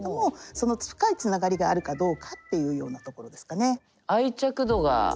その深いつながりがあるかどうかっていうようなところですかね。